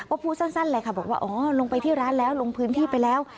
ก็พูดสั้นเลยค่ะบอกว่าอ๋อลงไปที่ร้านแล้วลงพื้นที่ไปแล้ว